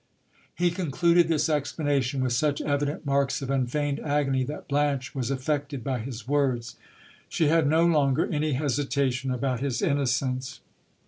He concluded this explanation with such evident marks of unfeigned agony, that Blanche was affected by his words. She had no longer any hesitation about his innocence.